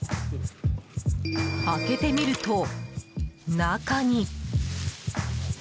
開けてみると、中に。